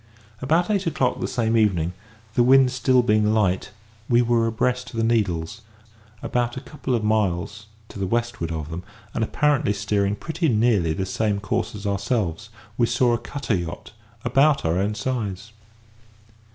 About eight o'clock the same evening, the wind still being light, we were abreast of the Needles; about a couple of miles to the westward of them, and apparently steering pretty nearly the same course as ourselves, we saw a cutter yacht about our own size.